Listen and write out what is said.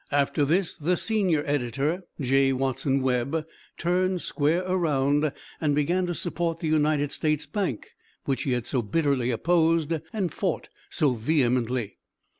After this the senior editor, J. Watson Webb, turned square around and began to support the United States Bank which he had so bitterly opposed and fought so vehemently.